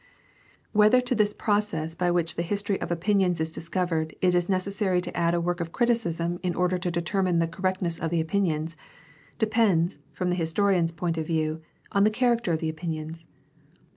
Whether to this process by which the history of opinions is discovered it is necessary to add a work of criticism in order to determine the correctness of the opinions, depends, from the historian's point of view, on the character of the opinions.